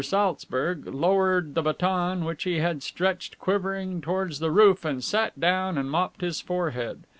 Saltzburg lowered the baton which he had stretched quivering towards the roof and sat down and mopped his forehead.